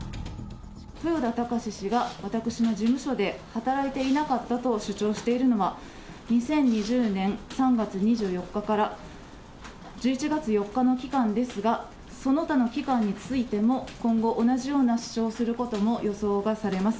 豊田貴志氏が私の事務所で働いていなかったと主張しているのは、２０２０年３月２４日から１１月４日の期間ですが、その他の期間についても、今後同じような主張をすることも予想がされます。